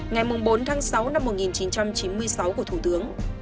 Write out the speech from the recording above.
ngày bốn tháng sáu năm một nghìn chín trăm chín mươi sáu của thủ tướng